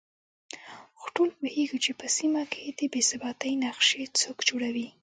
خو ټول پوهېږو چې په سيمه کې د بې ثباتۍ نقشې څوک جوړوي